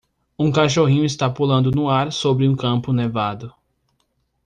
Um cachorrinho está pulando no ar sobre um campo nevado.